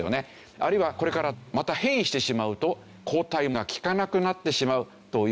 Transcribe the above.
あるいはこれからまた変異してしまうと抗体が効かなくなってしまうという事もある。